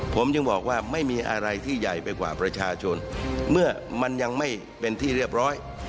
ผมจึงบอกว่าไม่มีอะไรที่ใหญ่ไปกว่าประชาชนเมื่อมันยังไม่เป็นที่เรียบร้อย